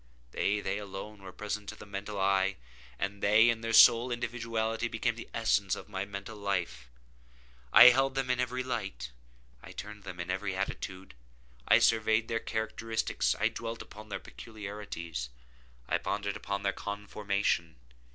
They—they alone were present to the mental eye, and they, in their sole individuality, became the essence of my mental life. I held them in every light. I turned them in every attitude. I surveyed their characteristics. I dwelt upon their peculiarities. I pondered upon their conformation.